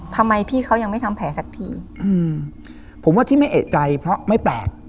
ทำไมพี่เขายังไม่ทำแผลสักทีอืมผมว่าที่ไม่เอกใจเพราะไม่แปลก